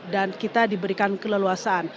dan kita diberikan keleluasan